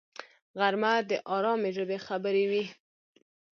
غرمه د آرامي ژبې خبرې وي